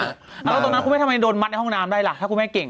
แล้วตรงนั้นคุณแม่ทำไมโดนมัดในห้องน้ำได้ล่ะถ้าคุณแม่เก่ง